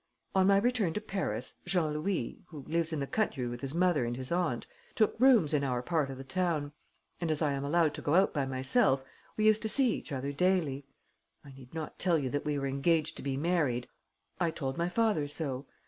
On my return to Paris, Jean Louis, who lives in the country with his mother and his aunt, took rooms in our part of the town; and, as I am allowed to go out by myself, we used to see each other daily. I need not tell you that we were engaged to be married. I told my father so.